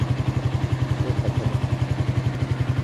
توخى الحذر.